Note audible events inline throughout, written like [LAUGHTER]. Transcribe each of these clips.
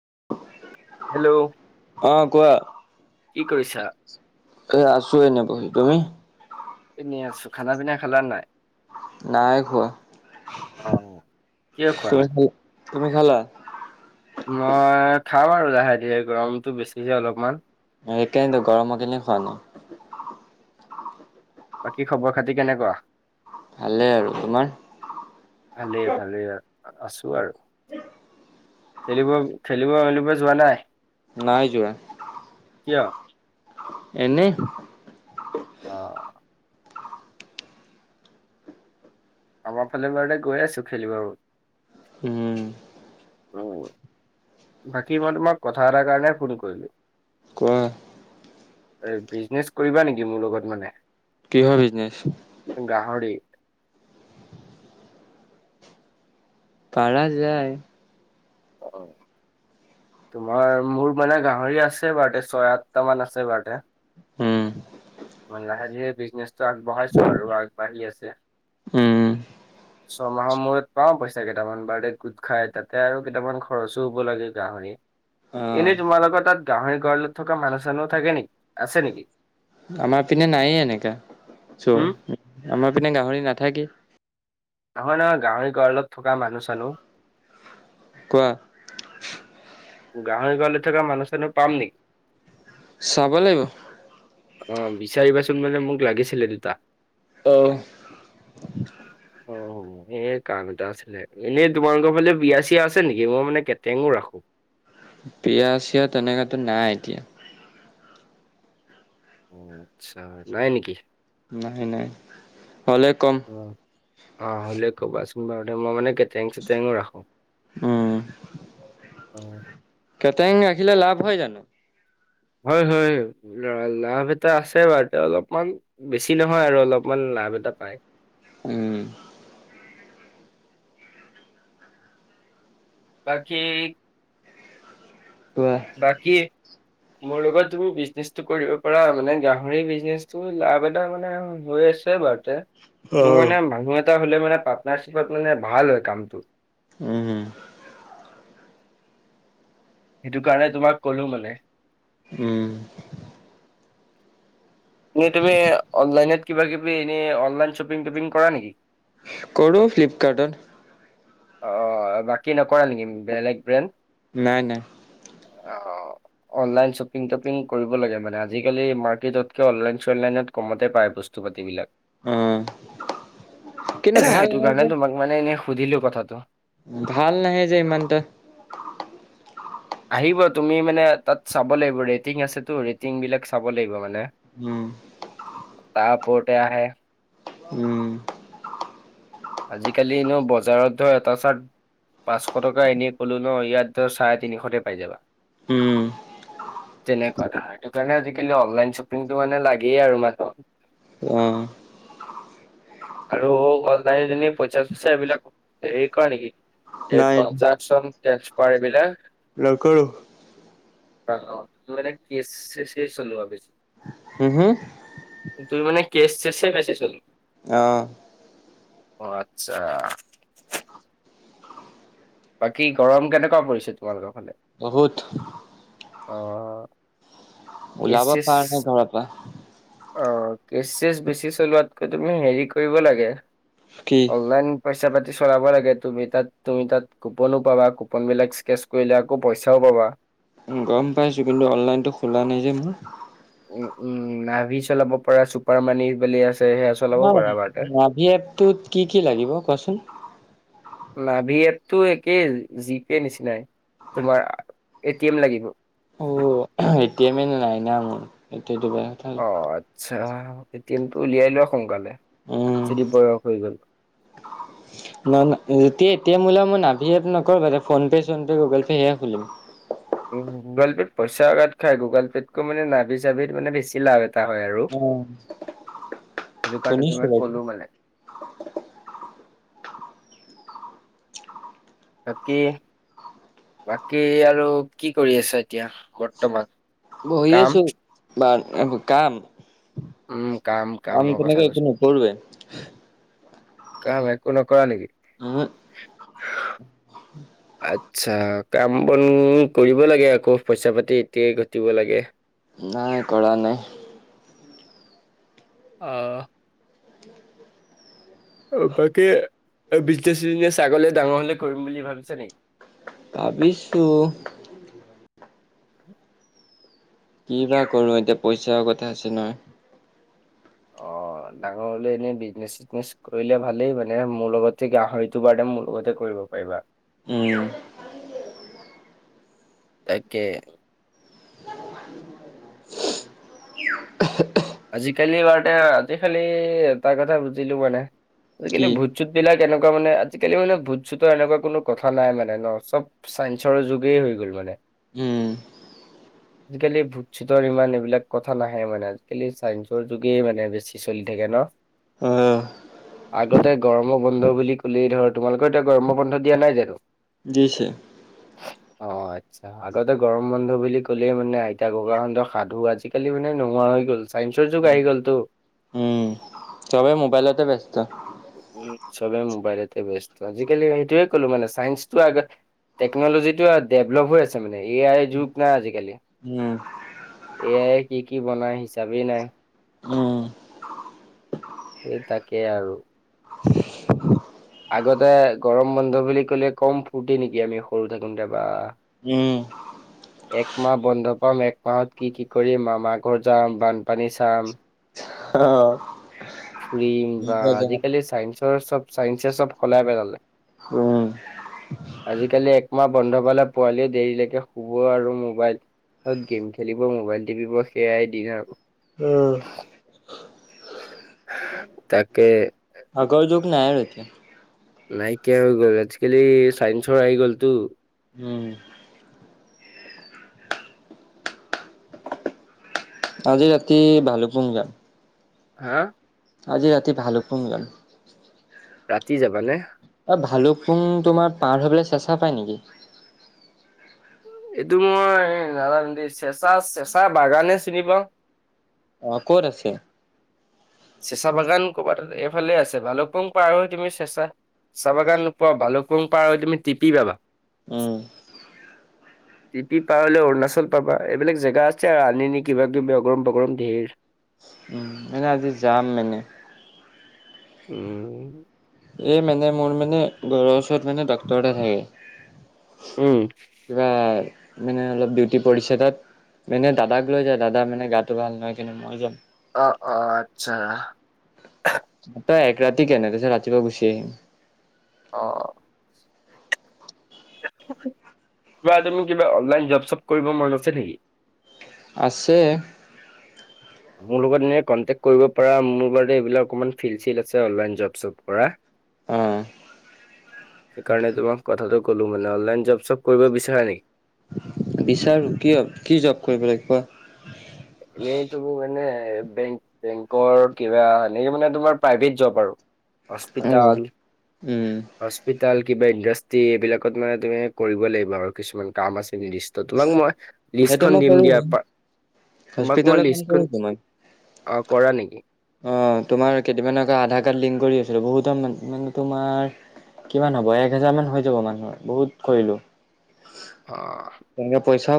[UNINTELLIGIBLE] Hello অ কোৱা কি কৰিছে এ আছো এনে বহি তুমি এনেই আছো খানা পিনা খালা নাই নাই অ'। কিয় খোৱা খোৱা নাই? তুমি খালা মই খাম আৰু লাহে ধীৰে গৰমটো বেছিছে অলপমান সেইকাৰণেটো গৰমৰ কাৰণে খোৱা নাই। বাকী খবৰ খাতি কেনেকুৱা ভালেই আৰু ভালেই তোমাৰ ভালেই আছো আৰু খেলিব খেলিব খেলিব যোৱা নাই নাই যোৱা কিয় এনেই অ আমাৰ ফালে বাৰতে গৈ আছো খেলিবৰ বাবে হম অ বাকী মই তোমাক কথা এটাৰ কাৰণে ফোন কৰিলো। কোৱা এ বিজনেচ কৰিবা নেকি মোৰ লগত মানে কিহৰ বিজনেচ গাহৰি। পাৰা যায় অ তোমাৰ মোৰ মানে গাহৰি আছে বাৰুতে ছয় আঠটা মান আছে বাৰুতে হম মই লাহেকে বিজনেচটো আগবঢ়াইছো আৰু আগবাঢ়ি আছে উম ছমাহৰ মূৰত পাওঁ পইচা কেইটামান বাৰডে গোট খাই তাতে আৰু কেইটামান খৰচো হ'ব লাগে গাহৰি অ এনেই তোমালোকৰ তাত গাহৰি গড়ালত থকা মানুহ চানুহ থাকে নেকি আছে নেকি আমাৰ পিনে নায়ে এনেকা চ উম, আমাৰ পিনে গাহৰি নাথাকে। নহয় নহয় গাহৰি গড়ালত থকা মানুহ চানো কোৱা গাহৰি গড়ালত থকা মানুহ চানো পাম নেকি চাব লাগিব অ বিচাৰিবাচোন মানে মোক লাগিছিলে দুটা অহ অ এই কাম এটা আছিলে এনেই তোমালোকৰ ফালে বিয়া চিয়া আছে নেকি মই মানে কেটেঙো ৰাখো বিয়া চিয়া তেনেকে একো নাই এতিয়া আচ্ছা নাই নেকি নাই নাই হলে কম অ' অ হ'লে ক'বাচোন বাৰু দে মই মানে কেটেৰিঙ চেটেৰিঙো ৰাখো উম অ' কেটেৰিং ৰাখিলে লাভ হয় জানো হয় হয় লাভ এটা আছে বাৰু অলপমান বেছি নহয় আৰু অলপমান লাভ এটা পায় উম বাকী কোৱা বাকী মোৰ লগত যোৰ বিজনেচটো কৰিব পাৰা মানে গাহৰি বিজনেচটো লাভ এটা মানে আৰু হৈয়ে নিশ্চয় বাৰু মোৰ অ'। মানে মানুহ এটা হলে মানে পাৰ্টনাৰশ্বিপত মানে ভাল হয় কামটো [UNINTELLIGIBLE] উম হম সেইটো কাৰণে তোমাক কলো মানে উম এনেই তুমি অনলাইনত কিবা কিবি এনে অনলাইন শ্বপিং টপিং কৰা নেকি কৰো ফ্লিপকাৰ্টত অ বাকী নকৰা নেকি বেলেগ ব্ৰেণ্ড নাই নাই অ অনলাইন শ্বপিং টপিং কৰিব লাগে মানে আজিকালি মাৰ্কেটতকে অনলাইন চনলাইনত কমতে পায় বস্তু বস্তু পাতিবিলাক অ', কিন্তু ভাল সেইটো নাহে কাৰণে যে, তোমাক মানে এনে সুধিলো কথাটো ভাল নাহে যে ইমান তা আহিব তুমি মানে তাত চাব লাগিব ৰেটিং আছেতো ৰেটিং বিলাক চাব লাগিব মানে উম পটয়া আহে [UNINTELLIGIBLE] উম আজিকালি নো বজাৰত ধৰ এটা চাৰ্ট পাঁচশ টকা এনেই কলো ন ইয়াত ধৰ চাৰে তিনিশতে পাই যায় উম সেইটো কাৰণে আজিকালি অনলাইন শ্বপিংটো মানে লাগেই আৰু ন অ', আৰু ক তই এনে পইচা চইচা বিলাক এই কৰ নিকি এই নাই কস্টাচন টেনৰ্চপত [UNINTELLIGIBLE] পাৰবিলাক [UNINTELLIGIBLE] নকৰো অ অ তোৰ মানে কেচ চেছ চলে আৰু বেছি হম হম তুমি মানে কেচ চেছে বেছি চলে আহ অ আচ্ছা বাকী গৰম কেনেকুৱা পৰিছে তোমালোকৰ ফালে বহুত আহ ওলাব পাওঁ নহয় ঘৰৰ পৰা [UNINTELLIGIBLE] অ কেচ চেচ বেছি চলোৱাতকৈ তুমি হেৰি কৰিব লাগে কি অনলাইন পইচা পাতি চলাব লাগে তুমি তাত তুমি তাত কুপনো পাবা কুপন বিলাক স্কেচ কৰিলে আকৌ পইচাও পাবা গম পাইছোঁ কিন্তু অনলাইনটো খোলা নাই যে মোৰ উম উম নাভি চলাব পৰা চুপাৰ মানি বনি আছে [UNINTELLIGIBLE] চলাব অ পাৰা বাৰটাৰ। নাভি এপটোত কি কি লাগিব কোৱাচোন নাভি এপটো একেই জিপে নিচিনাই তোমাৰ এটি এম লাগিব অ এতিয়া মানে নাই না মোৰ এতিয়াতো বেং ক [UNINTELLIGIBLE] এ টি এম টো উলিয়াই লোৱা সোনকালে উম যদি বয়স হৈ গ'ল। ন ন এতিয়াই এটি এম উলাবি না [UNINTELLIGIBLE] ভি এফ নকৰোঁ বেলেগ ফোনপে' চোনপে' গুগল পে' সেয়ে খুলিম। গুগল পে'ত পইচা উলোৱাত কে গুগল পে' তকো মানে নাভাবি চাভিত মানে বেছি লাভ তা হয় আৰু সেইটো কাৰণে শুনিছো মই বাৰু কলো মানে [INAUDIBLE] বাকী বাকী আৰু কি কৰি আছা এতিয়া বৰ্তমান বহি কাম আছো বা কাম উম, কাম আমি কামৰ কথা তেনেকে একো কৈছো নকৰোৱে। কাম একো নকৰা নেকি? উহু আত্চ্ছা কাম বন কৰিব লাগে আকৌ পইচা পাতি এতিয়াই ঘটিব লাগে। নাই কৰা নাই। আহ অ তাকে বিজনেচ চজনেচ আগলে ডাঙৰ হলে কৰিম বুলি ভাবিছা নি ভাবিছোঁ [UNINTELLIGIBLE] কি বা কৰো এতিয়া পইচাৰ কথা আছে নহয়। অ অ ডাঙৰ হলে এনে বিজনেচ চিজনেছ কৰিলে ভালেই মানে মোৰ লগতে গাহৰিতটো বাৰ মোৰ লগতে কৰিব ত পাৰিবা। উম তাকে আজিকালি বাৰতে আজি খালি এটা কথা বুজিলো মানে কি আজিকালি ভুট চুত বিলাক কেনেকুৱা মানে আজিকালি মানে ভুত চুতৰ এনেকুৱা কোনো কথা নাই মানে ন চব চাইন্সৰ যুগে হৈ গ'ল মানে। উম আজিকালি ভুট চুতৰ ইমান এইবিলাক কথা নাহে মানে আজ- আজিকালি চাইন্সৰ যোগেই মানে বেছি চলি থাকে ন। আহ আগতে গৰম বন্ধ বুলি কলেই ধৰ তোমালোকৰ এতিয়া গৰম বন্ধ দিয়া নাই জানো। দিছে অ আচ্ছা আগতে গৰম বন্ধ বুলি ক'লে মানে আইতা ককাহতৰ সাধু আজিকালি মানে নোহোৱা হৈ গ'ল। চাইন্সৰ যোগ আহি গ'ল তো। উম চবে মোবাইলতে ব্যস্ত উ চবে মোবাইলে তে ব্যস্ত আজিকালি সেইটোয়ে ক'লো মানে চাইন্সটো আগত টেকন'লজি টো ডেভলপ হৈ আছে মানে এ আইৰ যুগ নাই আজিকালি উম এয়াই কি কি বনাই হিচাপেই নাই। উম সে তাকেই আৰু আগতে গৰম বন্ধ বুলি কলে কম ফূৰ্তি নেকি আমি সৰু থাকোতে বা উম এক মাহ বন্ধ পাম এক মাহত কি কি কৰি মামা ঘৰ যাম বানপানী চাম। [INAUDIBLE] অ ফুৰিম বা আজিকালি চাইন্সৰ চব চাইন্সে চব সলাই পেলালে। উম আজিকালি একমাহ বন্ধ পালে পোৱালি দেৰিলৈকে শুব আৰু মোবাইলত গেম খেলিব মোবাইল টিভিবোৰ সেয়াই দিন আৰু উম তাকে আগৰ যোগ নাই আৰু এতিয়া নাইকিয়া হৈ গ'ল আজিকালি চাইন্সৰ আহি গ'লতো। [INAUDIBLE] উম আজি ৰাতি ভালকপুঙ যাম। হা আজি ৰাতি ভালু কপুঙ যাম। [UNINTELLIGIBLE] ৰাতি যাবানে? ভালু পুং তোমাৰ পাৰ হৈ পেলাই চেচা পায় নেকি? এইটো মই নাজানো দেই চেঁচা চেঁচা বাগানে চিনি পাওঁ। আহ ক'ত আছে? চেচা বাগান ক'ৰবাত এইফালে আছে ভালুপং পাৰ হৈ কিনে তুমি চেঁচা চাবা গান নোপোৱা ভালুকুং পাৰ তুমি টপিবা উম [INAUDIBLE] টিপি পাৰলৈ অৰুণাচল পাবা এইবিলাক জেগা আছে আৰু আনিনি কিবা কিবি অগৰম পগৰম ধেৰ [UNINTELLIGIBLE] উম মনে আজি যাম মানে। উম এই মানে মোৰ মানে ঘৰৰ ওচৰত মানে ডাক্তৰ এটা থাকে। উম। কিবা মানে অলপ ডিউটি পৰিছে তাত মানে দাদাক লৈ যায় দাদা মানে গাটো ভাল নহয় কিন্তু মই যাম। [UNINTELLIGIBLE] অ-অ, আচ্ছা ত তই এক ৰাতি কেনে তাৰপিছত ৰাতিপুৱা গুচি আহিম। অ কিবা তুমি কিবা, অনলাইন জব চব কৰিব মন আছে নেকি? আছে মোৰ লগত এনে কনটেক্ট কৰিব পাৰা, মোৰ লগতে এইবিলাক অকমান ফিল্ড-চিল্ড আছে অনলাইন জব চব কৰা। অহ সেইকাৰণে তোমাক কথাটো কলোঁ মানে, অনলাইন জব চব কৰিব বিচাৰে নেকি? বিচাৰোঁ কি কি জব কৰিব লাগিব? এই তুমি মানে বেং বেংকৰ কিবা, এনেক মানে তোমাৰ প্ৰাইভেট জব আৰু অ উম হস্পিতাল-হস্পিতাল। [UNINTELLIGIBLE] কিবা ইণ্ডাষ্ট্ৰি, এইবিলাকত মানে তুমি কৰিব লাগিব আৰু কিছুমান কাম আছে। তোমাক মই সেইটো লিষ্টখন মই দিম কৰো দিয়াৰ। তোমাক মই হস্পিতেলৰ কাম লিষ্টখন, কৰোতো মই। কৰা নেকি? অঁ তোমাৰ কেইদিনামানকে আধাৰ কাৰ্ড লিংক কৰি আছিলো, বহুতান মানে তোমাৰ কিমান হ'ব, এক হেজাৰ মান হৈ যাব মানুহৰ বহুত কৰিলো। অহ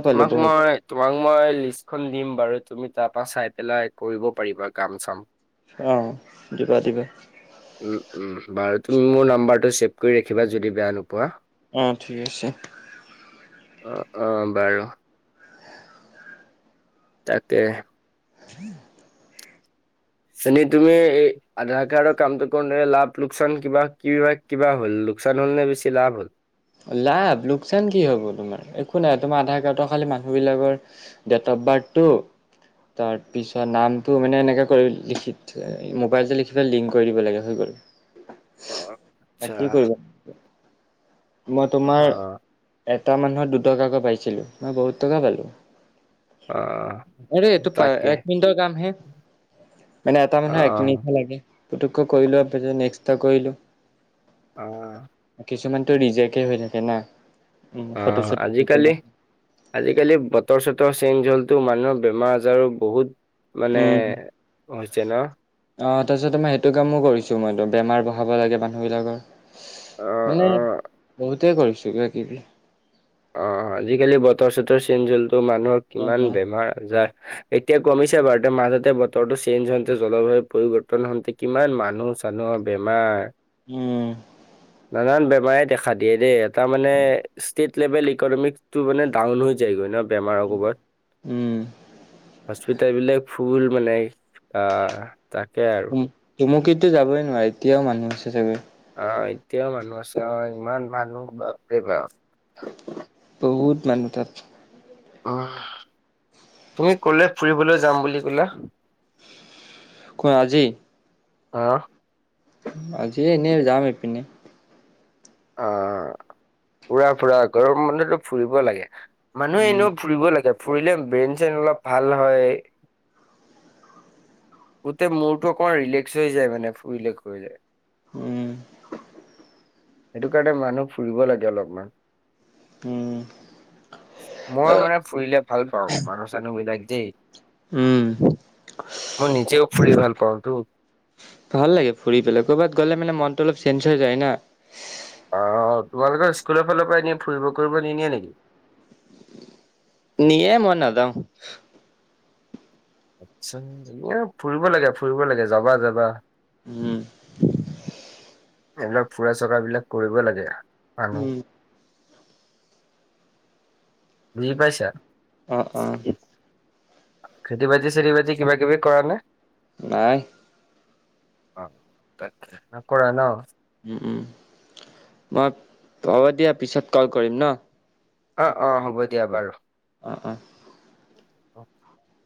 তোমাক বহুত মই তোমাক মই লিষ্টখন দিম বাৰু তুমি তাৰপা চাই পেলাই কৰিব পাৰিবা কাম চাম। অহ দিবা দিবা। উম উম বাৰু তুমি মোৰ নাম্বাৰটো ছেভ কৰি ৰাখিবা, যদি বেয়া নোপোৱা? অহ- ঠিক আছে। অ-অ বাৰু তাকে [INAUDIBLE] চনি তুমি এই আধাৰ কাৰ্ডৰ কামটো কৰোঁতে ন, লাভ লোকচান কিবা কিব কিবা হ'ল? লোকচান হ'ল নে, বেছি লাভ হ'ল? লাভ লোকচান কি হ'ব তোমাৰ, একো নাই তোমাৰ আধাৰ কাৰ্ডৰ খালি মানুহ বিলাকৰ ডেট বাটু [UNINTELLIGIBLE] তাৰপিছত নামটো মানে এনেকৈ কৰি, লিখি থ মোবাইল যে লিখিতে লিংক কৰি দিব লাগে হৈ গ'ল। অহ-আচ্ছা বাকী কৰিবা মই তোমাৰ এটা মানুহৰ দুটকাকৈ পাইছিলোঁ, মই বহুত টকা পালোঁ। অ', আৰে এইটো প তাকে এক মিনিটৰ কাম হে। [UNINTELLIGIBLE] মানে এটা অ', মানুহৰ এক মিনিটে লাগে, পটুককৈ কৰিলো আৰু পিছত নেক্সটা কৰিলো। [UNINTELLIGIBLE] আহ কিছুমানতটো ৰিজেক্টেই হৈ থাকে না। উম ফটো অহ চটো হৈ -আজি-কালি পেলাই। আজি-কালি বতৰ চতৰ চেন হ'লটো মানুহৰ বেমাৰ আজাৰো বহুত মানে হৈছে ন। অহ তাৰপিছত মই সেইটো কামো কৰিছো মইতো, বেমাৰ বঢ়াব লাগে মানুহ বিলাকৰ। অ', মানে অ', বহুতে কৰিছো কিবা কিবি। আহ আজিকালি বতৰ চতৰ চেঞ্জ্ হ'লতো, মানুহৰ অ কিমান উম বেমাৰ আজাৰ এতিয়া কমিছে বাৰু তে মাজতে বতৰটো চেঞ্জ হওঁতে, জলবায়ু পৰিবৰ্তন হওঁতে কিমান মানুহ চানুহৰ বেমাৰ উম না-নান বেমাৰে দেখা দিয়ে দেই, এটা মানে লেভেল ইকনমিক্স টো মানে ডাউন হৈ যায়গৈ ন বেমাৰ কোবত এবিলাক ফুল মানে আহ তাকে আৰু ম তুমুকিন্তোযাবই নোৱাৰাৰে এতিয়াও মানুহছে চাগৈ অ এতিয়াও মানুহ আছে হয়, ইমান মানুহ বাপ ৰে বাপ। বহুত মানুহ তাত। উহ তুমি ক'লে ফুৰিবলৈ যাম বুলি কলা? কোৱা আজি অহ আজি এনে যাম এপিনে অ ফুৰা ফুৰা গৰম বন্ধটোত ফুৰিব লাগে মানুহে উম এনেও ফুৰিব লাগে ফুৰিলে ব্ৰেইন চেইন অলপ ভাল হয়। গোটেই মোৰটো অকমান ৰিলেক্স হৈ যায় মানে ফুৰিলে ঘূৰিলে। উম সেইটো কাৰণে মানুহ ফুৰিব লাগে অলপমান। উম মই মানে ফুৰিলে ভাল পাওঁ মানুহ চানুহ বিলাক দেই উম মই নিজেও ফুৰি ভাল পাওঁতো ভাল লাগে ফুৰি পেলাই কৰ'বাত গ'লে মানে মনটো অলপ চেঞ্জ হৈ যায় না আহ তোমালোকৰ স্কুলৰ ফালৰ পৰা এনে ফুৰিব কৰিব নিদিয়ে নেকি? নিয়ে মন নাযাওঁ। আচছা এ ফুৰিব লাগে ফুৰিব লাগে যাবা যাবা। উম এইবিলাক ফুৰা চকা বিলাক কৰিব লাগে মানুহ উম, বুজি পাইছা অহ অহ খেতি বাতি চেতি বজি কিবা কিবি কৰা নাই নাই অ ন কৰা ন উম উ মই হব দিয়া পিছত কল কৰিম ন অ অ হ'ব দিয়া বাৰু অঁ অঁ [INAUDIBLE]